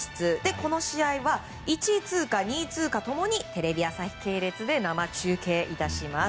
この試合で１位通過、２位通過ともにテレビ朝日系列で生中継いたします。